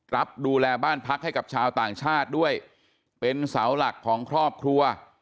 รับดูแลบ้านพักให้กับชาวต่างชาติด้วยเป็นเสาหลักของครอบครัว